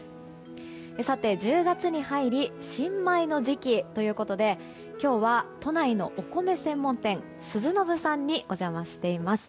さて、１０月に入り新米の時期ということで今日は都内のお米専門店スズノブさんにお邪魔しています。